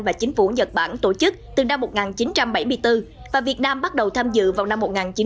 và chính phủ nhật bản tổ chức từ năm một nghìn chín trăm bảy mươi bốn và việt nam bắt đầu tham dự vào năm một nghìn chín trăm bảy mươi